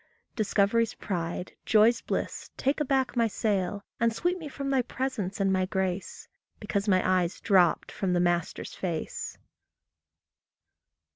Discovery's pride, joy's bliss, take aback my sail, And sweep me from thy presence and my grace, Because my eyes dropped from the master's face.